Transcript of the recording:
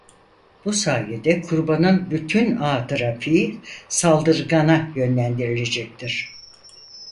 Bu sayede kurbanın bütün ağ trafiği saldırgana yönlendirilecektir.